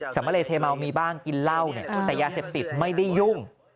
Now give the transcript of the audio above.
สำเรเทเมามีบ้างกินเหล้าเนี่ยแต่ยาเสพติดไม่ได้ยุ่ง